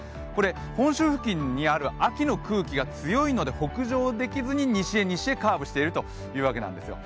本州付近にある秋の空気が強いので、北上できずに西へ西へカーブしているというわけですよ。